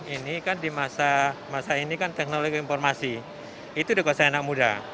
ini kan di masa ini kan teknologi informasi itu dikuasai anak muda